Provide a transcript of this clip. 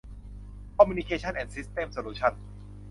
คอมมิวนิเคชั่น แอนด์ ซิสเต็มส์ โซลูชั่น